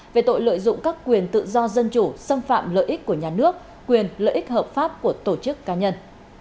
về tội lợi dụng các quyền tự do dân chủ xâm phạm lợi ích của nhà nước quyền lợi ích hợp pháp của tổ chức cá nhân